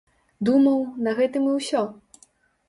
Думаў, на гэтым і ўсё!